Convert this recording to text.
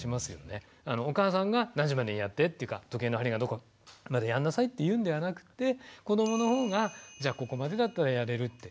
お母さんが何時までにやってっていうか時計の針がどこまでにやんなさいって言うんではなくて子どものほうがじゃあここまでだったらやれるって。